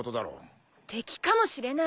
敵かもしれない。